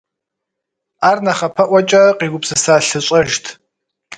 Ар нэхъапэӀуэкӀэ къигупсыса лъыщӀэжт.